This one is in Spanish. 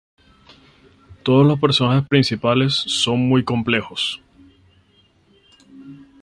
Todos los personajes principales son muy complejos.